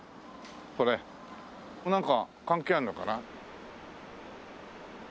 これなんか関係あるのかな？